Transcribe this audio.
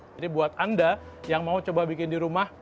jadi buat anda yang mau coba bikin di rumah